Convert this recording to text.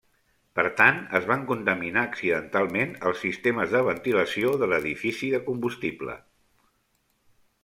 Per tant es van contaminar accidentalment els sistemes de ventilació de l'edifici de combustible.